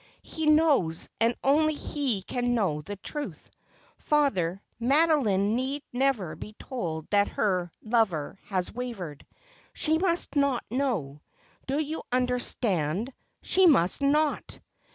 He knows, and only he can know, the truth. Father, Madoline need never be told that her lover has wavered. She must not know. Do you understand ? She must not